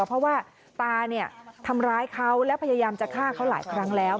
เพราะว่าตาเนี่ยทำร้ายเขาและพยายามจะฆ่าเขาหลายครั้งแล้ว